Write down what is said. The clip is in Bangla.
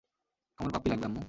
আমার পাপ্পি লাগবে, আম্মু।